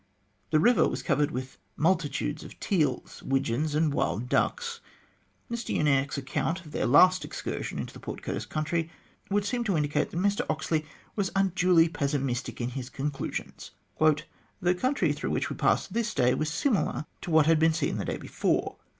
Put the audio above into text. The river was covered with multitudes of teals, widgeons, and wild ducks. Mr Uniacke's account of their last excursion into the Port Curtis country would seem to indicate that Mr Oxley was unduly pessimistic in his conclusions: "The country through which we passed this day was similar to what we had seen the day before.